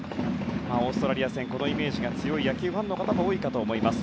オーストラリア戦このイメージが強い野球ファンの方も多いかと思います。